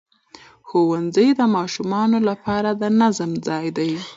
ښوونځی د ماشومانو لپاره د نظم ځای دی